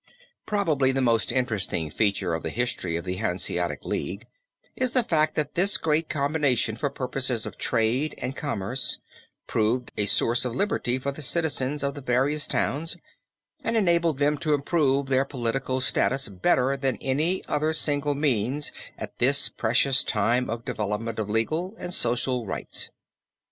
Probably the most interesting feature of the history of the Hanseatic League is the fact that this great combination for purposes of trade and commerce proved a source of liberty for the citizens of the various towns, and enabled them to improve their political status better than any other single means at this precious time of development of legal and social rights.